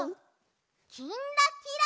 「きんらきら」。